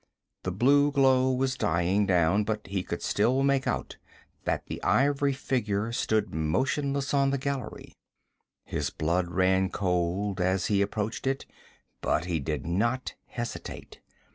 The blue glow was dying down, but he could still make out that the ivory figure stood motionless on the gallery. His blood ran cold as he approached it, but he did not hesitate.